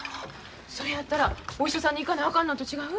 それやったらお医者さんに行かなあかんのと違う？